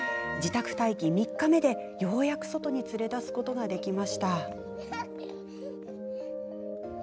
自宅待機３日目でようやく外に連れ出すことができました。